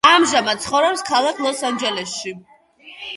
ამჟამად ცხოვრობს ქალაქ ლოს-ანჟელესში.